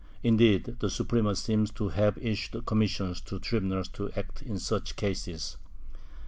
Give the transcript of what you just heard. Indeed, the Suprema seems to have issued commissions to tribunals to act in such cases.